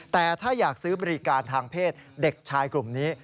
แต่ถ้าอยากซื้อบริการทางเพศเด็กชายกลุ่มนี้